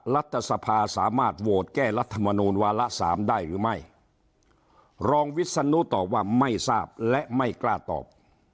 รัฐสภาสามารถโหวตแก้รัฐมนูลวาระสามได้หรือไม่รองวิศนุตอบว่าไม่ทราบและไม่กล้าตอบ